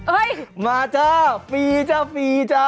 มาจ้าฟรีจ้าฟรีจ้า